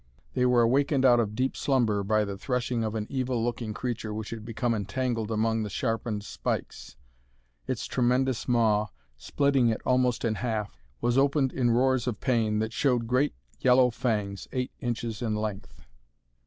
They were awakened out of deep slumber by the threshing of an evil looking creature which had become entangled among the sharpened spikes. Its tremendous maw, splitting it almost in half, was opened in roars of pain that showed great yellow fangs eight inches in length.